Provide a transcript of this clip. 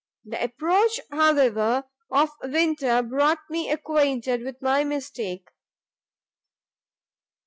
The approach, however, of winter, brought me acquainted with my mistake.